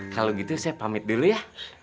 kalau gitu saya pamit dulu ya